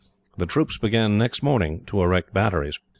The troops began next morning to erect batteries.